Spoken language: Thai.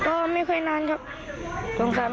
ออกมาปลาติดเท้าด้วย